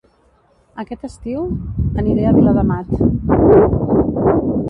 Aquest estiu aniré a Viladamat